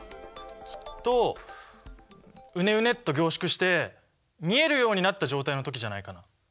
きっとウネウネッと凝縮して見えるようになった状態の時じゃないかな？